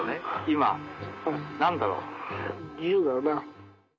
今何だろう？